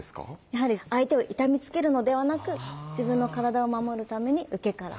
やはり相手を痛めつけるのではなく自分の体を守るために受けから。